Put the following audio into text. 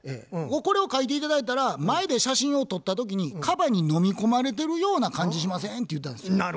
「これを描いて頂いたら前で写真を撮った時にカバに飲み込まれてるような感じしません？」って言ったんですよ。